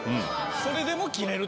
それでも切れると。